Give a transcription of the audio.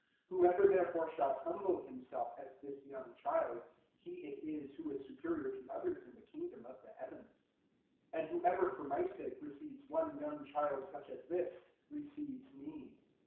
018:004 Whoever therefore shall humble himself as this young child, he it is who is superior to others in the Kingdom of the Heavens. 018:005 And whoever for my sake receives one young child such as this, receives me.